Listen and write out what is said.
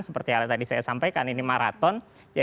seperti hal yang tadi saya sampaikan ini maraton